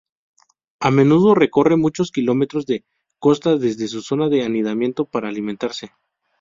A menudo recorren muchos kilómetros de costa desde su zona de anidamiento para alimentarse.